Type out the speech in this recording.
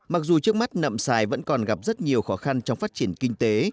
mặc dù trước mắt nậm xài vẫn còn gặp rất nhiều khó khăn trong phát triển kinh tế